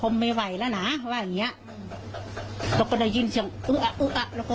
ว่าอย่างเงี้ยเราก็ได้ยินเสียงอุ๊ะอุ๊ะแล้วก็